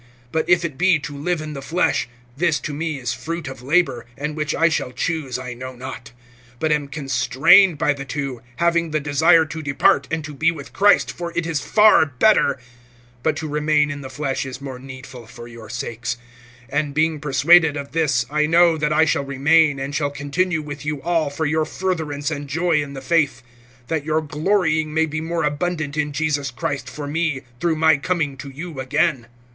(22)But if it be to live in the flesh, this to me is fruit of labor; and which I shall choose I know not; (23)but am constrained by the two, having the desire to depart, and to be with Christ, for it is far better; (24)but to remain in the flesh is more needful for your sakes. (25)And being persuaded of this, I know that I shall remain, and shall continue with you all for your furtherance and joy in the faith; (26)that your glorying may be more abundant in Jesus Christ for me, through my coming to you again.